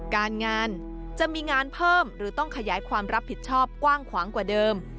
การงานจะมีงานเพิ่มหรือต้องขยายความรับผิดชอบกว้างขวางกว่าเดิม